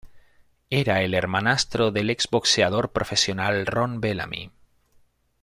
Era hermanastro del exboxeador profesional Ron Bellamy.